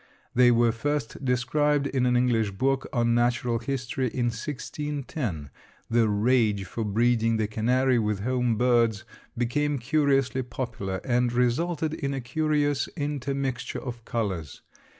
They were first described in an English book on natural history in 1610. The rage for breeding the canary with home birds became curiously popular and resulted in a curious intermixture of colors.